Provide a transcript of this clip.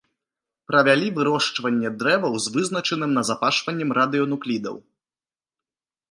Правялі вырошчванне дрэваў з вызначаным назапашваннем радыенуклідаў.